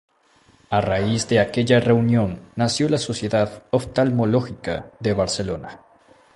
A raíz de aquella reunión nació la Sociedad Oftalmológica de Barcelona.